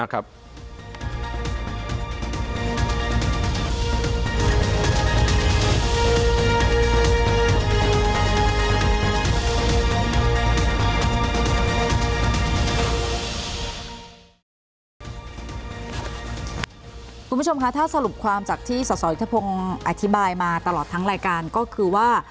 คุณผู้ชมคะถ้าสรุปความจากที่สสยุทธพงศ์อธิบายมาตลอดทั้งรายการก็คือว่า